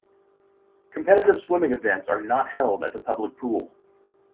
Competitive swimming events are not held at the public pool.